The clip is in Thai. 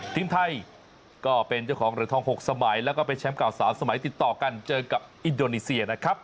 ทีมไทยก็เป็นเจ้าของเหรียญทอง๖สมัยแล้วก็เป็นแชมป์เก่า๓สมัยติดต่อกันเจอกับอินโดนีเซียนะครับ